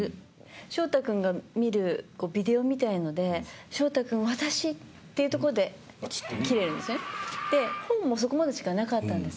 翔太君が見るビデオみたいので「翔太君私」っていうところで切れるんですねで本もそこまでしかなかったんです。